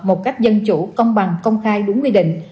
một cách dân chủ công bằng công khai đúng quy định